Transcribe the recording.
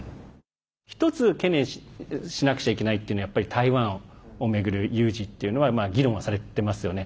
一つ懸念しなきゃいけないっていうのがやっぱり台湾を巡る有事っていうのが議論はされていますよね。